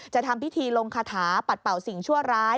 ทำพิธีลงคาถาปัดเป่าสิ่งชั่วร้าย